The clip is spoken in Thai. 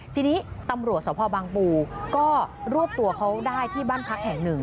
ทีนี้ตำรวจสภบางปูก็รวบตัวเขาได้ที่บ้านพักแห่งหนึ่ง